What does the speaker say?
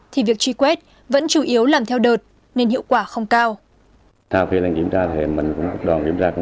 thì việc truy quét vẫn chủ yếu làm theo đợt nên hiệu quả không cao